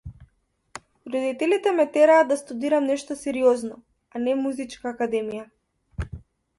Родителите ме тераа да студирам нешто сериозно, а не музичка академија.